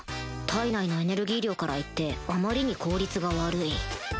体内のエネルギー量からいってあまりに効率が悪い